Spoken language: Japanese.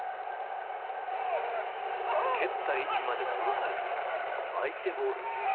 蹴った位置まで戻され相手ボールに。